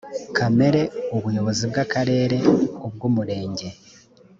kamere ubuyobozi bw akarere ubw umurenge